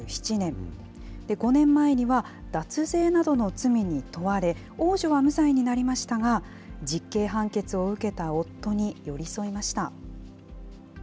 ５年前には脱税などの罪に問われ、王女は無罪になりましたが、実刑判決を受けた夫に寄り添いました。